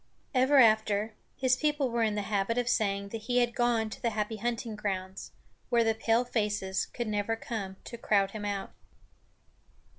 Ever after, his people were in the habit of saying that he had gone to the Happy Hunting Grounds, where the palefaces could never come to crowd him out.